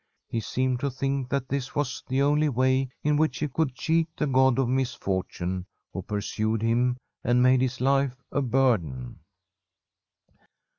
He seemed to think that this was the only way in which he could cheat the God of Misfortune who pursued him and made his life a burden.